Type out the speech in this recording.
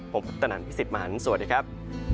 ผมพัฒนานพิสิทธิ์มหานสวัสดีครับ